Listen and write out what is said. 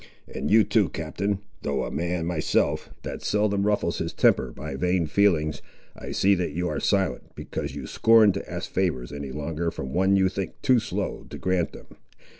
And you, too, Captain; though a man myself, that seldom ruffles his temper by vain feelings, I see that you are silent, because you scorn to ask favours any longer from one you think too slow to grant them.